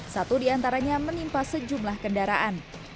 satu di antaranya menimpa sejumlah kendaraan